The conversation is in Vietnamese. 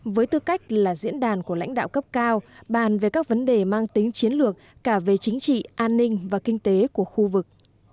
với tư cách là diễn đàn của lãnh đạo cấp cao bàn về các vấn đề mang tính chiến lược cả về chính trị an ninh và kinh tế của khu vực